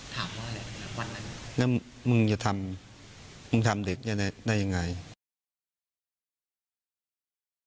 ถามว่าวันนั้นแล้วมึงจะทำมึงทำเด็กได้ยังไง